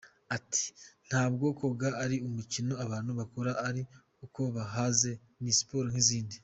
Ati “Ntabwo koga ari umukino abantu bakora ari uko bahaze, ni siporo nk’izindi.